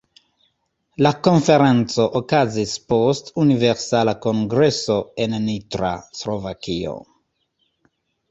La Konferenco okazis post Universala Kongreso en Nitra, Slovakio.